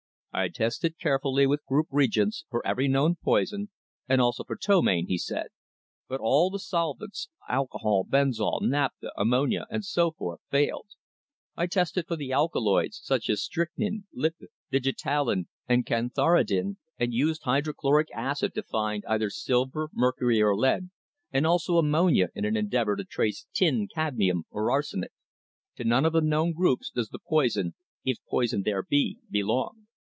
"I tested carefully with group reagents for every known poison, and also for ptomaine," he said, "but all the solvents alcohol, benzol, naphtha, ammonia and so forth failed. I tested for the alkaloids, such as strychnine, digitalin, and cantharidin, and used hydrochloric acid to find either silver, mercury or lead, and also ammonia in an endeavour to trace tin, cadmium or arsenic. To none of the known groups does the poison if poison there be belong.